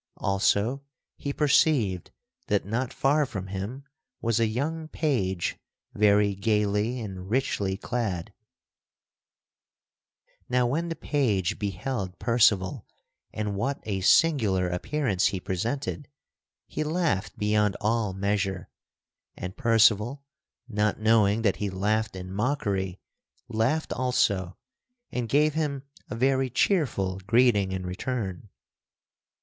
Also he perceived that not far from him was a young page very gayly and richly clad. [Sidenote: Percival bespeaketh the Lady Guinevere's page] Now when the page beheld Percival and what a singular appearance he presented, he laughed beyond all measure, and Percival, not knowing that he laughed in mockery, laughed also and gave him a very cheerful greeting in return.